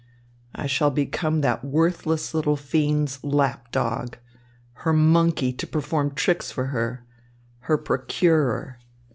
I shall become that worthless little fiend's lap dog, her monkey to perform tricks for her, her procurer.